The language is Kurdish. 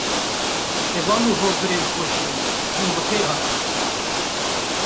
Heval û Hogirên Xoşewîst, hûn bi xêr hatin